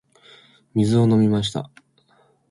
水を飲みました。